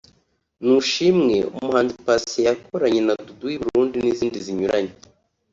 ‘Nushimwe’umuhanzi Patient yakoranye na Dudu w’I Burundi n’izindi zinyuranye